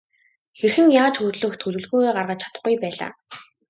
Хэрхэн яаж хөдлөх төлөвлөгөөгөө гаргаж чадахгүй байлаа.